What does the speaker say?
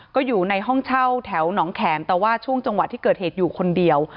ก็อยู่ในห้องเช่าแถวหนองแขมแต่ว่าช่วงจังหวะที่เกิดเหตุอยู่คนเดียว